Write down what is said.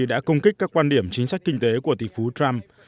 đã công kích các quan điểm chính sách kinh tế của tỷ phú trump